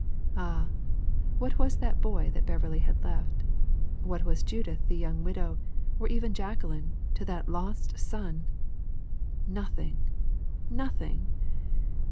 Ah! what was that boy that Beverley had left, what was Judith the young widow, or even Jacqueline, to that lost son? Nothing, nothing!